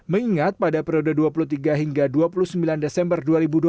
mengingat pada periode dua puluh tiga hingga dua puluh sembilan desember dua ribu dua puluh